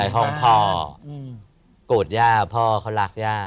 โปรดติดตามต่อไป